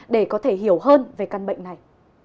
để có thể hiểu hơn về căn bệnh này